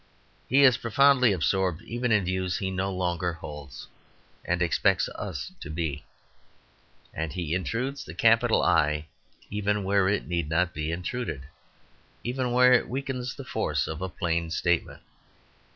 He is profoundly absorbed even in views he no longer holds, and he expects us to be. And he intrudes the capital "I" even where it need not be intruded even where it weakens the force of a plain statement.